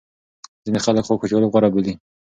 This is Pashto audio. ځینې خلک خوږ کچالو غوره بولي.